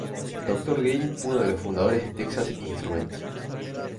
Dr. Green fue uno de los fundadores de Texas Instruments.